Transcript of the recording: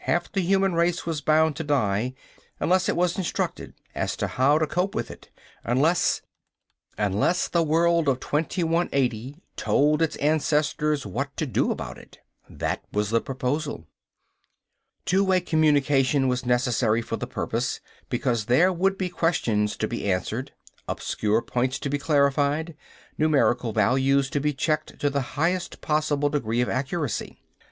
Half the human race was bound to die unless it was instructed as to how to cope with it. Unless Unless the world of 2180 told its ancestors what to do about it. That was the proposal. Two way communication was necessary for the purpose, because there would be questions to be answered, obscure points to be clarified, numerical values to be checked to the highest possible degree of accuracy.